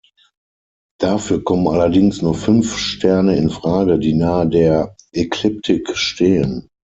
Dafür kommen allerdings nur fünf Sterne in Frage, die nahe der Ekliptik stehen.